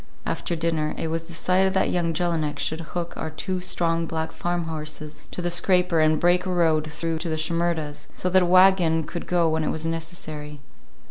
After dinner it was decided that young Jelinek should hook our two strong black farmhorses to the scraper and break a road through to the Shimerdas', so that a wagon could go when it was necessary.